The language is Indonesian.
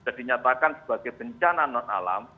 sudah dinyatakan sebagai bencana non alam